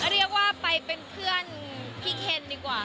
เรียกว่าไปเป็นเพื่อนพี่เคนดีกว่า